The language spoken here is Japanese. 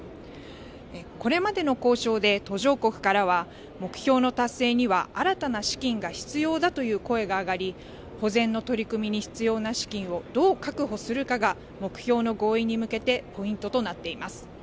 これまでの交渉で途上国からは、目標の達成には新たな資金が必要だという声が上がり、保全の取り組みに必要な資金をどう確保するかが目標の合意に向けてポイントとなっています。